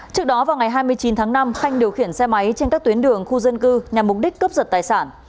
trước đó vào ngày hai mươi chín tháng năm khanh điều khiển xe máy trên các tuyến đường khu dân cư nhằm mục đích cướp giật tài sản